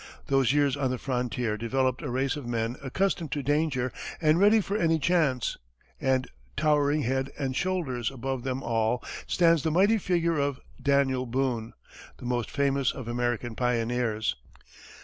Those years on the frontier developed a race of men accustomed to danger and ready for any chance; and towering head and shoulders above them all stands the mighty figure of Daniel Boone, the most famous of American pioneers.